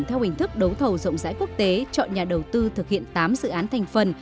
theo hình thức đấu thầu rộng rãi quốc tế chọn nhà đầu tư thực hiện tám dự án thành phần